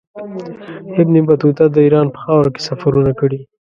ابن بطوطه د ایران په خاوره کې سفرونه کړي.